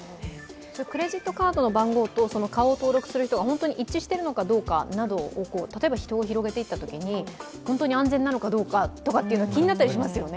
クレジットカードの番号と顔を登録する人が本当に一致しているのかどうかなど、例えば人を広げていったときに本当に安全なのか気になったりしますよね。